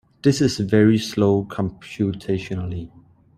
This is very slow computationally.